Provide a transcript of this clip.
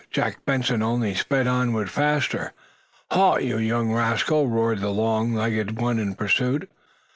Jack Benson only sped onward the faster. "Halt, you young rascal!" roared the long legged one, in pursuit.